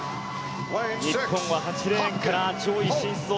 日本は８レーンから上位進出を。